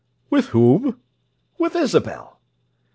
"With whom?" "With Isabel!"